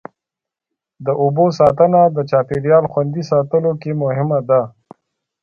د اوبو ساتنه د چاپېریال خوندي ساتلو کې مهمه ده.